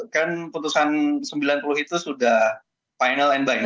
kan putusan sembilan puluh itu sudah final and by